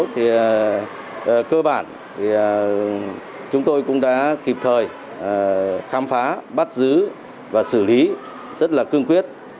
thì cơ bản thì chúng tôi cũng đã kịp thời khám phá bắt giữ và xử lý rất là cương quyết